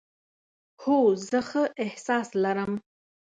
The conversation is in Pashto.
هو، زه ښه احساس لرم